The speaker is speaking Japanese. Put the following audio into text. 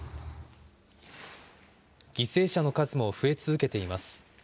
犠牲者の数も増え続けています。